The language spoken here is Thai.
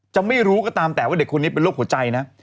จะไม่รู้ก็ตามแต่ว่าเด็กคนนี้เป็นโรคหัวใจนะ